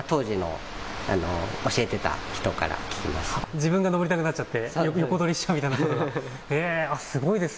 自分が登りたくなっちゃって横取りしちゃうってことが。